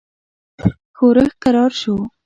ښورښ کرار شو.